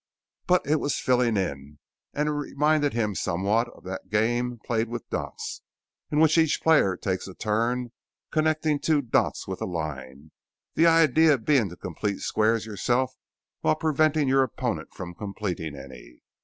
But it was filling in, and it reminded him somewhat of that game played with dots, in which each player takes a turn connecting two dots with a line, the idea being to complete squares yourself while preventing your opponent from completing any.